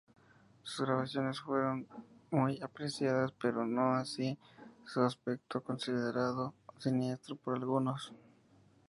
Sus grabaciones fueron muy apreciadas pero no así su aspecto, considerado siniestro por algunos.